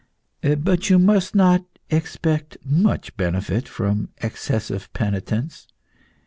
But you must not expect much benefit from excessive penitence.